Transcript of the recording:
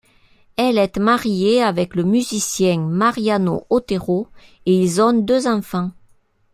Elle est mariée avec le musicien Mariano Otero et ils ont deux enfants.